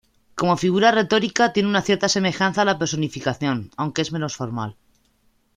Como figura retórica, tiene una cierta semejanza a la personificación, aunque es menos formal.